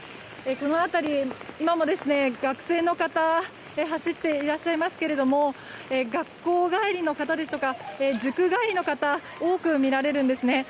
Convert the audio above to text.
この辺り、今も学生の方走っていらっしゃいますけど学校帰りの方ですとか塾帰りの方が多く見られるんですね。